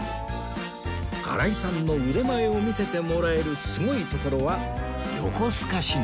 新井さんの腕前を見せてもらえるすごい所は横須賀市内